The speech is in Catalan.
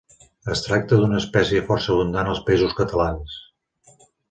Es tracta d'una espècie força abundant als Països Catalans.